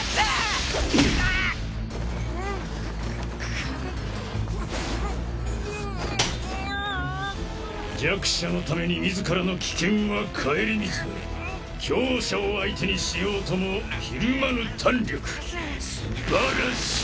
くっ弱者のために自らの危険は顧みず強者を相手にしようともひるまぬ胆力すばらしい！